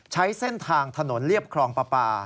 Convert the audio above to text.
ใช้เส้นทางถนนเรียบครองปลาปลา